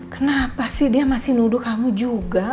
kenapa sih dia masih nuduh kamu juga